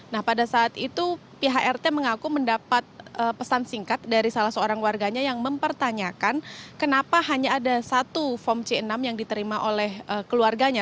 nah pada saat itu pihak rt mengaku mendapat pesan singkat dari salah seorang warganya yang mempertanyakan kenapa hanya ada satu form c enam yang diterima oleh keluarganya